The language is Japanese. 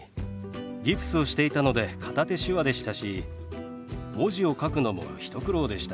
ギプスをしていたので片手手話でしたし文字を書くのも一苦労でした。